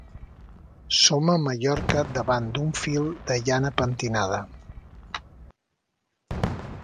Som a Mallorca davant d'un fil de llana pentinada.